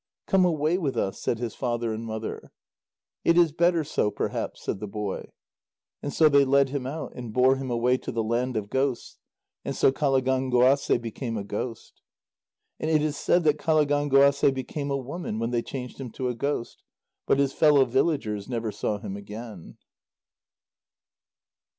"Come away with us," said his father and mother. "It is better so, perhaps," said the boy. And so they led him out, and bore him away to the land of ghosts, and so Qalagánguasê became a ghost. And it is said that Qalagánguasê became a woman when they changed him to a ghost. But his fellow villagers never saw him again.